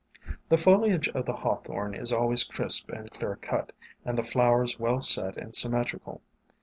The foliage of the Hawthorn is always crisp and clear cut, and the flowers well set and symmetrical.